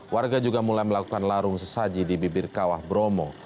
warga juga mulai melakukan larung sesaji di bibir kawah bromo